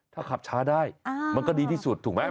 ถ้าขับช้าได้มันก็ดีที่สุดถูกไหม